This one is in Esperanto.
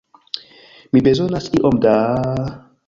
Mi bezonas iom da...